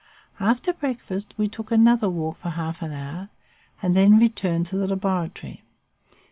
After breakfast, we took another walk for half an hour, and then returned to the laboratory.